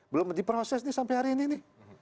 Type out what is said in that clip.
belum diproses sampai hari ini